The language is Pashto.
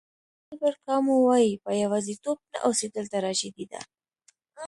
البر کامو وایي په یوازېتوب نه اوسېدل تراژیدي ده.